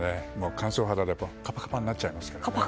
乾燥肌だとカパカパになっちゃいますから。